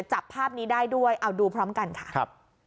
จับภาพนี้ได้ด้วยเอาดูพร้อมกันค่ะครับ